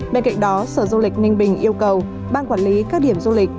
bên cạnh đó sở du lịch ninh bình yêu cầu ban quản lý các điểm du lịch